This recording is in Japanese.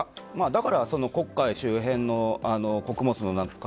だから黒海周辺の穀物。